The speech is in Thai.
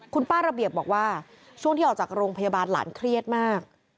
คุณป้าระเบียบบอกว่าช่วงที่ออกจากโรงพยาบาลหลานเครียดมาก